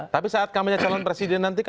tapi saat kamu jadi calon presiden nanti